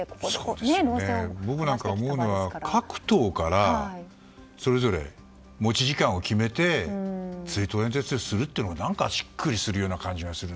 僕なんか思うのは各党からそれぞれ持ち時間を決めて追悼演説をするのがしっくりするような感じがする。